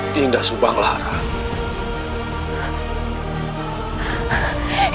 dinda subang lara